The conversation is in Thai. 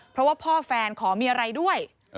เพราะว่าพ่อแฟนขอมีอะไรด้วย